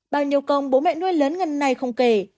bao nhiêu công bố mẹ nuôi lớn ngân này không kể